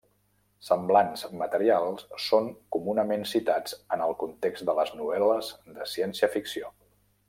Semblants materials són comunament citats en el context de les novel·les de ciència-ficció.